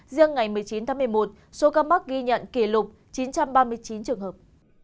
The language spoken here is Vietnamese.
riêng ngày một mươi chín tháng một mươi một số ca mắc ghi nhận kỷ lục chín trăm ba mươi chín trường hợp